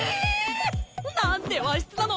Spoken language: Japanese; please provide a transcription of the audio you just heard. なんで和室なの？